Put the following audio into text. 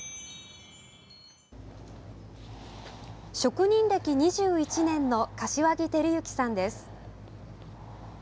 職人歴２１年の柏木照之さんです。